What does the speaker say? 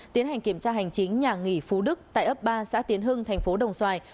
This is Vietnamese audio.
tiến hành kiểm tra hành chính nhà nghỉ phú đức tại ấp ba xã tiến hưng thành phố đồng xoài